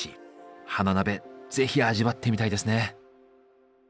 花鍋是非味わってみたいですね。